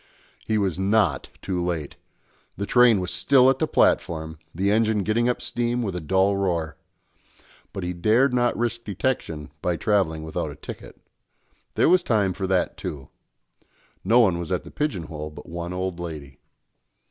He was not too late; the train was still at the platform, the engine getting up steam with a dull roar. But he dared not risk detection by travelling without a ticket. There was time for that, too. No one was at the pigeon hole but one old lady.